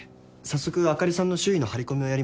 早速あかりさんの周囲の張り込みをやりましょう。